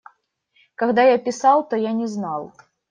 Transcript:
Когда я писал, то я не знал.